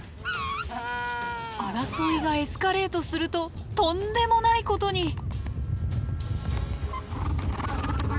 争いがエスカレートするととんでもないことに。